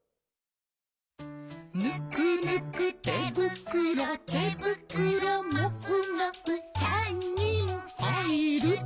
「ぬくぬくてぶくろてぶくろもふもふ」「３にんはいると」